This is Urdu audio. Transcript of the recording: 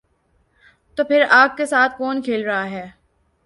تو پھر آگ کے ساتھ کون کھیل رہا ہے؟